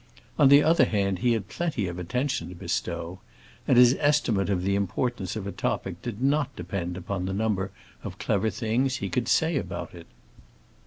On the other hand he had plenty of attention to bestow, and his estimate of the importance of a topic did not depend upon the number of clever things he could say about it.